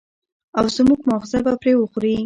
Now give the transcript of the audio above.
او زموږ ماغزه به پرې وخوري.